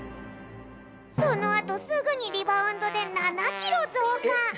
そのあとすぐにリバウンドで７キロぞうか！